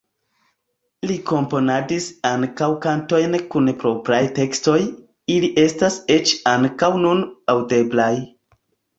Li komponadis ankaŭ kantojn kun propraj tekstoj, ili estas eĉ ankaŭ nun aŭdeblaj.